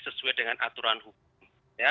sesuai dengan aturan hukum